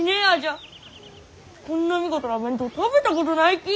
こんな見事な弁当食べたことないき！